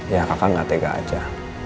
ya kakak gak tega aja